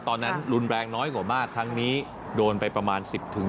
ตอนนั้นรุนแรงน้อยกว่ามากครั้งนี้โดนไปประมาณ๑๐